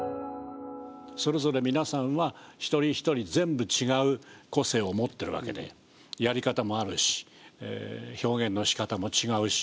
それぞれ皆さんは一人一人全部違う個性を持ってるわけでやり方もあるし表現のしかたも違うし。